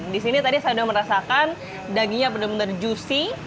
di sini tadi saya sudah merasakan dagingnya benar benar juicy